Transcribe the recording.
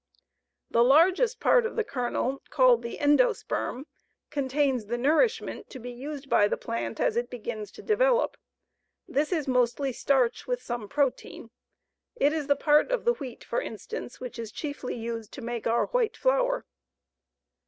The largest part of the kernel, called the endosperm, contains the nourishment to be used by the plant as it begins to develop. This is mostly starch, with some protein. It is the part of the wheat, for instance, which is chiefly used to make our white flour.